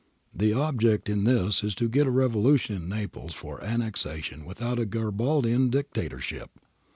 The object in this is to get a revolution in Naples for annexation without a Garibaldian dictatorship.